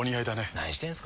何してんすか。